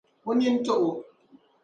O nini tiɣi o.